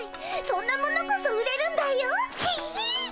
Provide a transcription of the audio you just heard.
そんなものこそ売れるんだよっ。